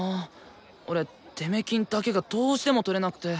俺出目金だけがどうしても取れなくて。